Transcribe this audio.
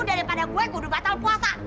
daripada gue kudu batal puasa